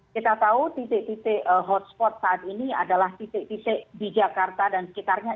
kita tahu titik titik hotspot saat ini adalah titik titik di jakarta dan sekitarnya